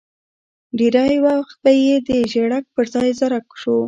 ډېری وخت به یې د ژړک پر ځای زرک شو.